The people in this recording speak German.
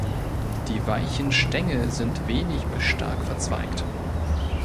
Die weichen Stängel sind wenig bis stark verzweigt.